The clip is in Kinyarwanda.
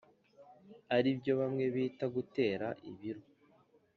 ari byo bamwe bita gutera ibiro.